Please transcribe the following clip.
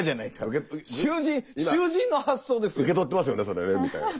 「今受け取ってますよねそれね」みたいな。